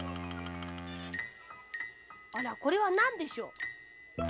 あらこれはなんでしょう？